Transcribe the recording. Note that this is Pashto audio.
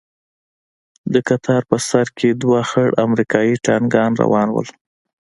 د کتار په سر کښې دوه خړ امريکايي ټانگان روان وو.